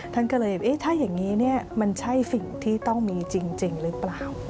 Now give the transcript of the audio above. ท่านก็เลยถ้าอย่างนี้มันใช่สิ่งที่ต้องมีจริงหรือเปล่า